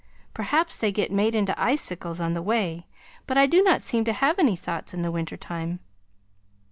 Perhaps they get made into icicles on the way but I do not seem to have any thoughts in the winter time.